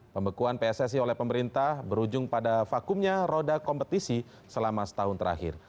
pembekuan pssi oleh pemerintah berujung pada vakumnya roda kompetisi selama setahun terakhir